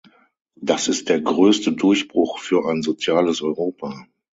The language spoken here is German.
Das ist der größte Durchbruch für ein soziales Europa.